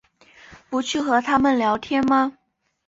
不去和他们聊天吗？